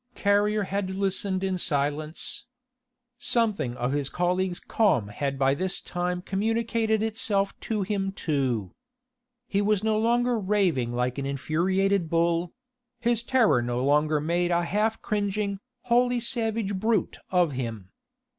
Carrier had listened in silence. Something of his colleague's calm had by this time communicated itself to him too. He was no longer raving like an infuriated bull his terror no longer made a half cringing, wholly savage brute of him.